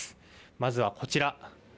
まずはこちら。